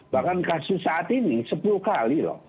bahkan kasus saat ini sepuluh kali loh